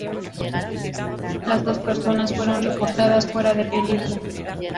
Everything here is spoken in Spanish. Las dos personas fueron reportadas fuera de peligro.